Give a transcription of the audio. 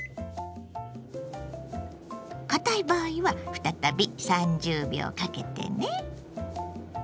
堅い場合は再び３０秒かけてね。